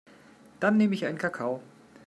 Dann nehm ich einen Kakao.